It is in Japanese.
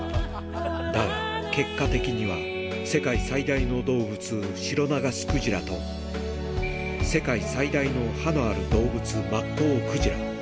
だが、結果的には世界最大の動物、シロナガスクジラと、世界最大の歯のある動物、マッコウクジラ。